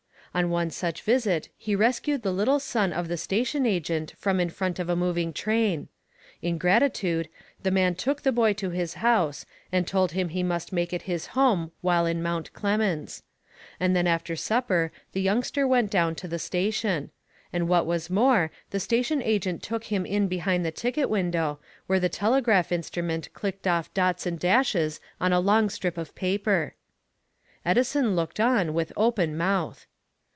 On one such visit he rescued the little son of the station agent from in front of a moving train. In gratitude, the man took the boy to his house and told him he must make it his home while in Mount Clemens; and then after supper the youngster went down to the station; and what was more, the station agent took him in behind the ticket window, where the telegraph instrument clicked off dots and dashes on a long strip of paper. Edison looked on with open mouth.